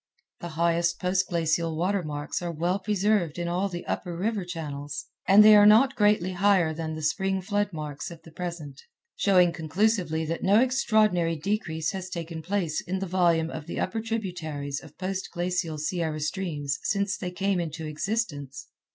The highest post glacial water marks are well preserved in all the upper river channels, and they are not greatly higher than the spring flood marks of the present; showing conclusively that no extraordinary decrease has taken place in the volume of the upper tributaries of post glacial Sierra streams since they came into existence.